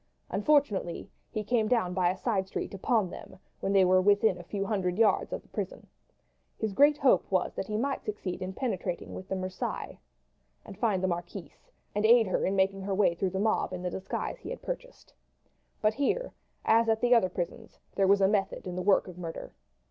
Unfortunately he came down by a side street upon them when they were within a few hundred yards of the prison. His great hope was that he might succeed in penetrating with the Marseillais and find the marquise, and aid her in making her way through the mob in the disguise he had purchased. But here, as at the other prisons, there was a method in the work of murder.